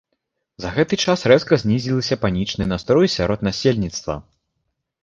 За гэты час рэзка знізіліся панічныя настроі сярод насельніцтва.